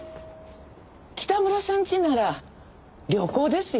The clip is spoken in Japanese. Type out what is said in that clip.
北村さんちなら旅行ですよ。